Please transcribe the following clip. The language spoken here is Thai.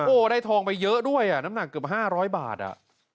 โอ้โหได้ทองไปเยอะด้วยอ่ะน้ำหนักเกือบ๕๐๐บาทอ่ะ